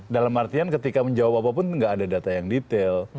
dalam artian ketika menjawab apapun nggak ada data yang detail